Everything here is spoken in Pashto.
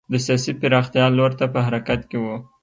د سیاسي پراختیا لور ته په حرکت کې و.